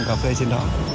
cà phê trên đó